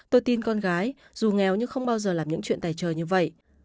tôi tin con gái dù nghèo nhưng không bao giờ làm những chuyện tài trợ như vậy